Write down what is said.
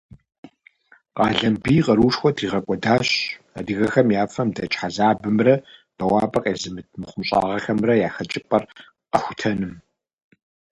Къалэмбий къаруушхуэ тригъэкӀуэдащ адыгэхэм я фэм дэкӀ хьэзабымрэ бэуапӀэ къезымыт мыхъумыщӀагъэхэмрэ я хэкӀыпӀэр къэхутэным.